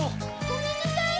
ごめんなさい。